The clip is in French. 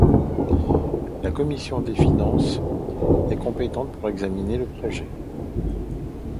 La commission des finances est compétente pour examiner le projet.